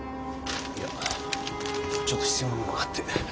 いやちょっと必要なものがあって。